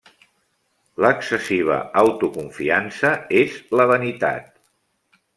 L'excessiva autoconfiança és la vanitat.